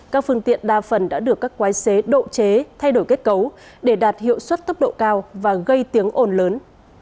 các phương tiện đa phần đã được các quái xế độ chế thay đổi kết cấu để đạt hiệu suất tốc độ cao và gây tiếng ồn lớn